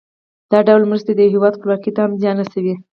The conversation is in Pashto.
دا ډول مرستې د یو هېواد خپلواکۍ ته هم زیان رسوي.